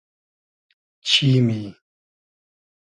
چیمی